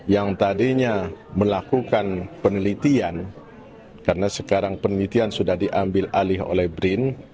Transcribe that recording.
yang tadinya melakukan penelitian karena sekarang penelitian sudah diambil alih oleh brin